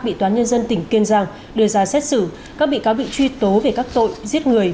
bị toán nhân dân tỉnh kiên giang đưa ra xét xử các bị cáo bị truy tố về các tội giết người